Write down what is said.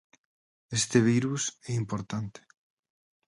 Este virus é importante.